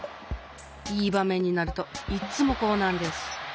いいばめんになるといっつもこうなんです。